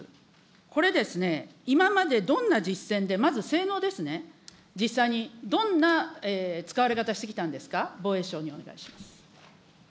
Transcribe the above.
これですね、今までどんな実戦で、まず性能ですね、実際にどんな使われ方してきたんですか、防衛省にお願いします。